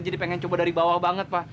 jadi pengen coba dari bawah banget pa